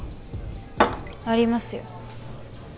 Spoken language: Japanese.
ありますよ。